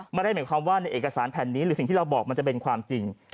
ไม่ได้หมายความว่าในเอกสารแผ่นนี้หรือสิ่งที่เราบอกมันจะเป็นความจริง